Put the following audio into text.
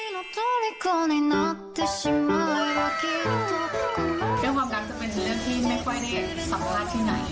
เรื่องความรักจะเป็นเรื่องที่ไม่ค่อยได้สัมภาษณ์ที่ไหน